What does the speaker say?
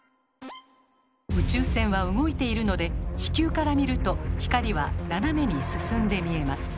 宇宙船は動いているので地球から見ると光は斜めに進んで見えます。